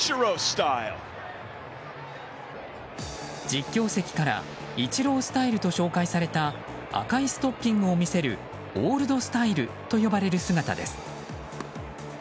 実況席からイチロースタイルと紹介された赤いストッキングを見せるオールドスタイルと呼ばれる姿です。